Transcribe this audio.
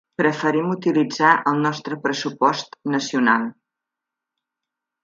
Preferim utilitzar el nostre pressupost nacional.